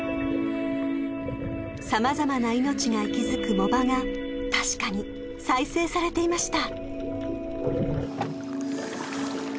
［様々な命が息づく藻場が確かに再生されていました］